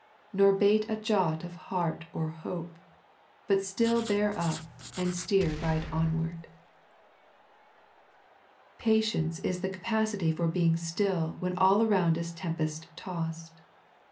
Nor bate a jot of heart or hope, But still bear up and steer right onward." Patience is the capacity for being still when all around is tempest tossed.